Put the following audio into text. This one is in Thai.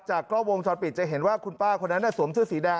กล้องวงจรปิดจะเห็นว่าคุณป้าคนนั้นสวมเสื้อสีแดง